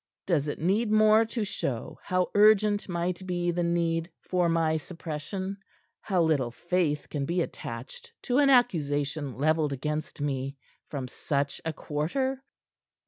Does it need more to show how urgent might be the need for my suppression how little faith can be attached to an accusation levelled against me from such a quarter?"